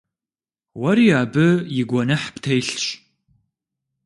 Уэри абы и гуэныхь птелъщ.